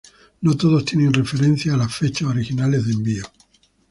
No todos tienen referencias a las fechas originales de envío.